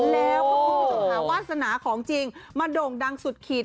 แล้วคุณคุณค่ะวาสนาของจริงมาโด่งดังสุดขีด